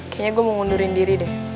kayaknya gue mau ngundurin diri deh